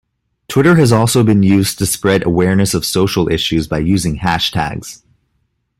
Twitter has also been used to spread awareness of social issues by using hashtags.